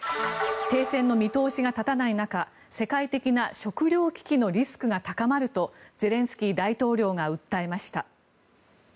停戦の見通しが立たない中世界的な食糧危機のリスクが高まると、ゼレンスキー大統領が訴えました。